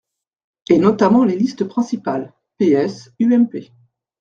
Et notamment les listes principales : PS, UMP.